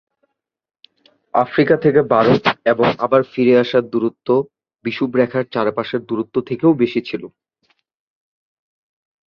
Africa থেকে ভারত এবং আবার ফিরে আসার দূরত্ব বিষুবরেখার চারপাশের দূরত্ব থেকে ও বেশি ছিল।